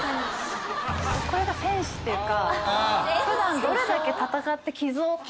これが戦士っていうか。